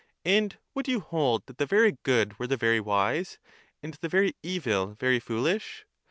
And would you hold that the very good were the very wise, and the very evil very foolish?